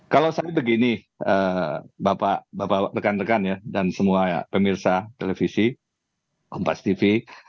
kalau saya begini bapak bapak rekan rekan ya dan semua pemirsa televisi kompas tv